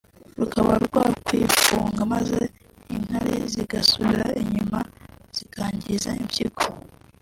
rukaba rwakwifunga maze inkari zigasubira inyuma zikangiza impyiko